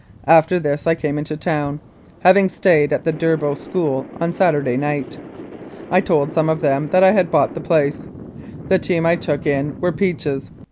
After this I came into town, having stayed at the Durbow School on Saturday night. I told some of them there that I had bought the place. The team I took in were Peach's.